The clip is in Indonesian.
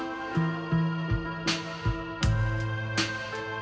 dan bawalah harta yang aku berikan kepadamu